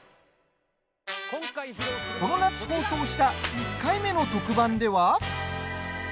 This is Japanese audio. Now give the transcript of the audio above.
この夏、放送した１回目の特番では。